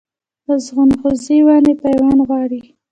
د ځنغوزي ونې پیوند غواړي؟